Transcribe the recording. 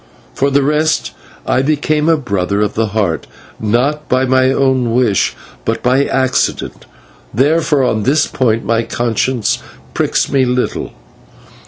For the rest, I became a Brother of the Heart not by my own wish, but by accident, therefore on this point my conscience pricks me little.